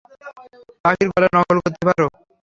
পাখির গলা নকল করতে পারো?